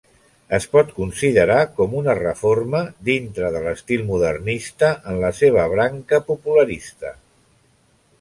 Es pot considerar com una reforma dintre de l'estil modernista en la seva branca popularista.